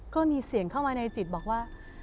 ก็มีเสียงเข้ามาในจิตบอกว่า